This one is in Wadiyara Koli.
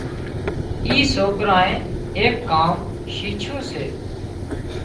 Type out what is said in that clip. اي سوڪريئي ايڪ ڪام شيڇُون سي